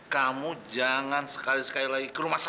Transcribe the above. kamu jangan sekali sekali lagi ke rumah sakit